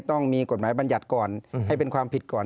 ต้องมีกฎหมายบรรยัติก่อนให้เป็นความผิดก่อน